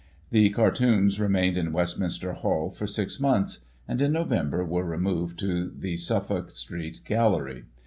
The Cartoons remained in Westminster HcJl for 6 months; and, in Nov. were removed to the Suffolk Street Gallery.